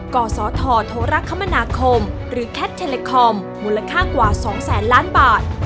กศธโทรคมนาคมหรือแคทเทเลคอมมูลค่ากว่า๒แสนล้านบาท